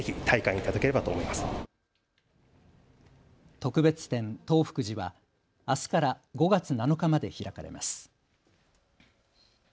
特別展、東福寺はあすから５月７日まで開かれます。